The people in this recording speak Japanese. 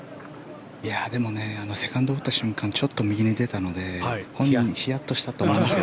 でもねセカンド打った瞬間ちょっと右に出たので本人、ヒヤッとしたと思いますよ。